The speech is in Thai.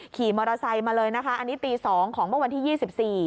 ขี่มอเตอร์ไซค์มาเลยนะคะอันนี้ตีสองของเมื่อวันที่ยี่สิบสี่